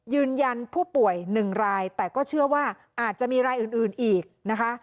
ยืนยันผู้ป่วย๑รายแต่ก็เชื่อว่าอาจจะมีรายอื่นอีกนะคะ